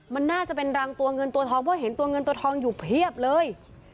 มันน่าจะเป็นรังตัวเงินตัวทองเพราะเห็นตัวเงินตัวทองอยู่เพียบเลย